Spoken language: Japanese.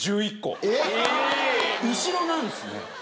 後ろなんですね。